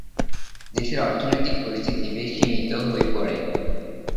দেশের অর্থনৈতিক পরিস্থিতি বেশ সীমিত হয়ে পড়ে।